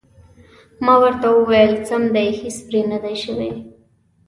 ما ورته وویل: سم دي، هېڅ پرې نه دي شوي.